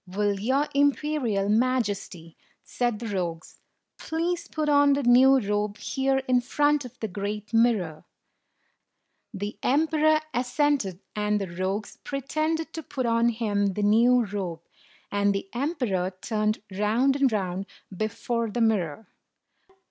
"Will your Imperial Majesty," said the rogues, 124 "please put on the new robe here in front of the great mirror?" The emperor assented, and the rogues pre tended to put on him the new robe; and the emperor turned round and round before the mirror.